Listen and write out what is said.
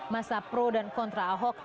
masa pro dan kontra ahok